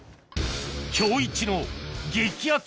今日いちの激アツ